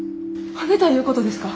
はねたいうことですか？